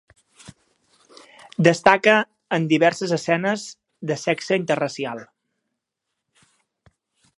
Destaca en diverses escenes de sexe interracial.